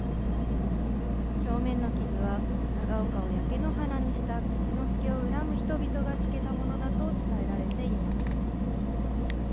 表面の傷は、長岡を焼け野原にした継之助を恨む人々がつけたものだと伝えられています。